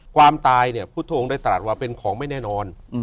ความตายพุทธโทษองค์ในตลาดว่าเป็นของไม่แน่นอน